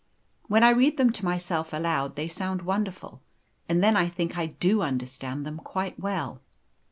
When I read them to myself aloud they sound wonderful, and then I think I do understand them quite well.